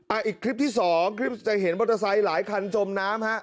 อีกคลิปที่สองคลิปจะเห็นมอเตอร์ไซค์หลายคันจมน้ำฮะ